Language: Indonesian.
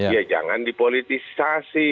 ya jangan dipolitisasi